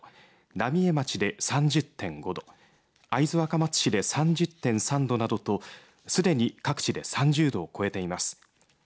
浪江町で３０．５度会津若松市で３０．３度などとすでに各地で３０度を超えています。